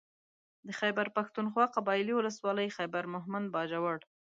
د خېبر پښتونخوا قبايلي ولسوالۍ خېبر مهمند باجوړ